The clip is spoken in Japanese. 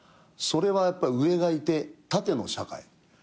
それはやっぱり上がいて縦の社会。